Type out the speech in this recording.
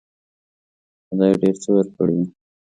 خدای ډېر څه ورکړي وو.